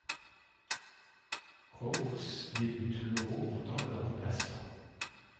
Kroos débute l'Euro en tant que remplaçant.